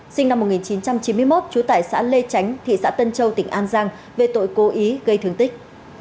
sinh năm một nghìn chín trăm chín mươi một trú tại xã lê tránh thị xã tân châu tỉnh an giang về tội cố ý gây thương tích